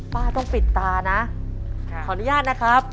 ป้าต้องปิดตานะขออนุญาตนะครับ